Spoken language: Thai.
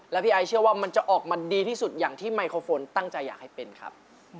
แล้วพี่ไอซเชื่อว่ามันจะออกมาดีที่สุดอย่างที่ไมโครโฟนตั้งใจอยากให้เป็นครับ